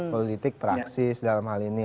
politik praksis dalam hal ini